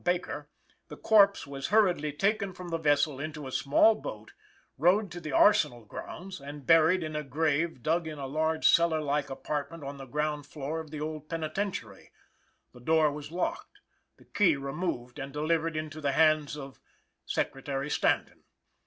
Baker, the corpse was hurriedly taken from the vessel into a small boat, rowed to the Arsenal grounds, and buried in a grave dug in a large cellar like apartment on the ground floor of the Old Penitentiary; the door was locked, the key removed and delivered into the hands of Secretary Stanton.